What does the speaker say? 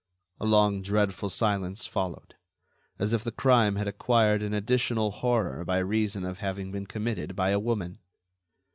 A long, dreadful silence followed, as if the crime had acquired an additional horror by reason of having been committed by a woman.